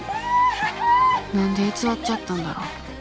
何で偽っちゃったんだろう。